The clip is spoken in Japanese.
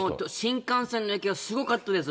新幹線の駅はすごかったです。